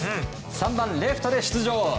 ３番レフトで出場。